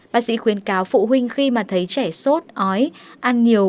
bác sĩ khuyến cáo phụ huynh khi mà thấy trẻ sốt ói ăn nhiều